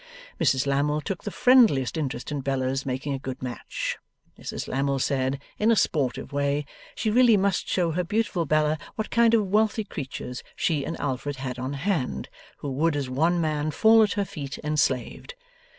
Mrs Lammle took the friendliest interest in Bella's making a good match. Mrs Lammle said, in a sportive way, she really must show her beautiful Bella what kind of wealthy creatures she and Alfred had on hand, who would as one man fall at her feet enslaved.